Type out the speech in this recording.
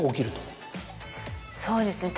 そうですね